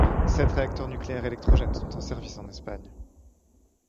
Sept réacteurs nucléaires électrogènes sont en service en Espagne.